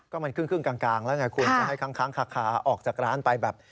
ก็มันครึ่งกลางแล้วไงคุณจะให้ค้างคาออกจากร้านไปแบบ